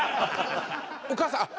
お母さんあっ！